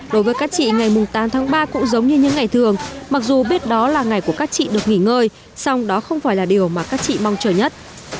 đối với các chị ngày tám tháng ba cũng giống như những ngày thường mặc dù biết đó là ngày của các chị được nghỉ ngơi song đó không phải là điều mà các chị mong chờ nhất